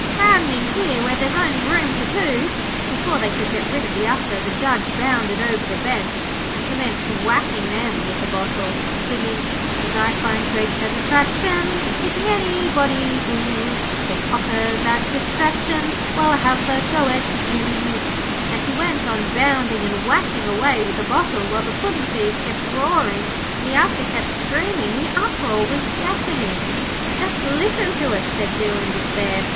'Crowding in here where there's only room for two.' Before they could get rid of the Usher, the Judge bounded over the bench and commenced whacking them with the bottle, singing 'As I find great satisfaction Hitting anybody who Can offer that distraction, Why, I'll have a go at you,' and he went on bounding and whacking away with the bottle, while the puddin' thieves kept roaring, and the Usher kept screaming. The uproar was deafening. 'Just listen to it,' said Bill, in despair.